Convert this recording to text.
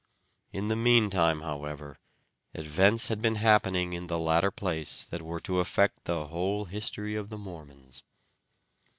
In the meantime, however, events had been happening in the latter place that were to affect the whole history of the Mormons.